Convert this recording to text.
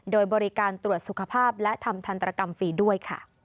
โดยบริการตรวจสุขภาพและทำทันตรกรรมฟรีด้วยค่ะ